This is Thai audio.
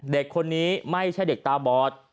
เด็กคนนี้ไม่ใช่เด็กตาบอด